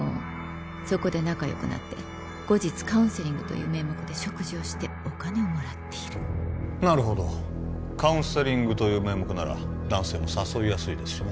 そこで仲よくなって後日カウンセリングという名目で食事をしてお金をもらっているなるほどカウンセリングという名目なら男性も誘いやすいですしね